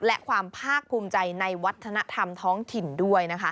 และความภาคภูมิใจในวัฒนธรรมท้องถิ่นด้วย